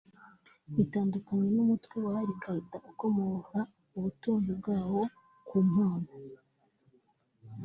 Bitandukanye n’umutwe wa Al-Qaïda ukomora ubutunzi bwawo ku mpano